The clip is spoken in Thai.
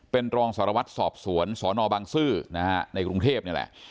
เป็นรองสารวัตรสอบสวนสนบังซื้อนะฮะในกรุงเทพนี่แหละ